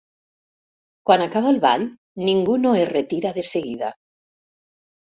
Quan acaba el ball ningú no es retira de seguida.